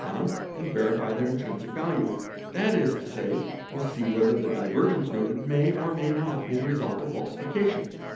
pond and verify their intrinsic value, that is to say, will see whether the divergence noted may or may not be the result of falsification.